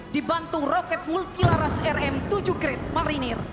dibantu roket multilaras rm tujuh grade marinir